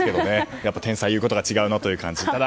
やっぱり天才は言うことが違うなと感じますね。